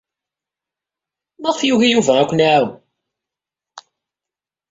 Maɣef ay yugi Yuba ad ken-iɛawen?